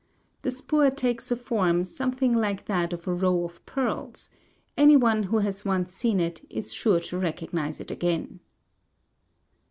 The spoor takes a form something like that of a row of pearls; any one who has once seen it is sure to recognize it again.